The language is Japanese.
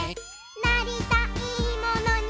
「なりたいものに」